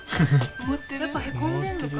やっぱへこんでんのかな。